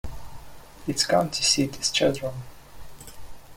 Its county seat is Chadron.